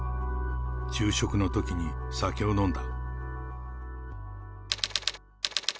昼食のときに酒を飲んだ。